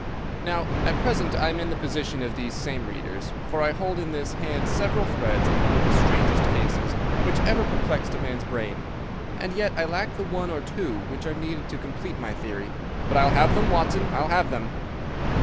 Now, at present I am in the position of these same readers, for I hold in this hand several threads of one of the strangest cases which ever perplexed a man's brain, and yet I lack the one or two which are needful to complete my theory. But I'll have them, Watson, I'll have them!"